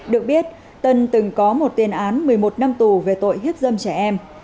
được biết tân từng có một tiền án một mươi một năm tù về tội hiếp dâm trẻ em